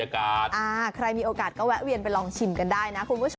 ใครมีโอกาสก็แวะเวียนไปลองชิมกันได้นะคุณผู้ชม